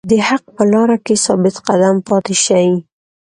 د حق په لاره کې ثابت قدم پاتې شئ.